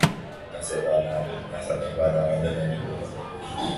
為せば成る為さねば成らぬ何事も。